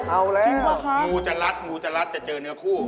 เอาแล้วจริงป่าวคะมูจะรัดมูจะรัดจะเจอเนื้อคู่